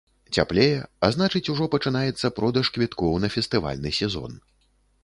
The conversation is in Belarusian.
Цяплее, а значыць, ужо пачынаецца продаж квіткоў на фестывальны сезон.